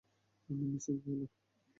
আমি মিসেস বেইলক!